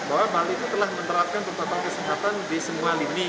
bahwa bali itu telah menerapkan protokol kesehatan di semua lini